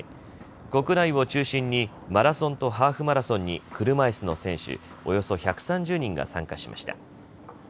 国内を中心にマラソンとハーフマラソンに車いすの選手およそ１３０人が参加しました。